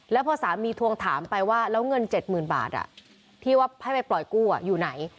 แล้วพอสามีทวงถามไปว่าแล้วเงิน๗๐๐๐บาทที่ว่าให้ไปปล่อยกู้อยู่ไหน